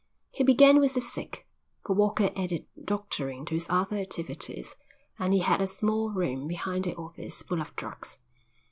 He began with the sick, for Walker added doctoring to his other activities, and he had a small room behind the office full of drugs.